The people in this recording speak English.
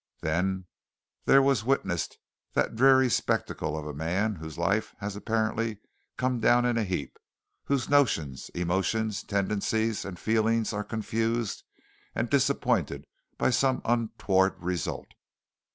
Then there was witnessed that dreary spectacle of a man whose life has apparently come down in a heap, whose notions, emotions, tendencies and feelings are confused and disappointed by some untoward result.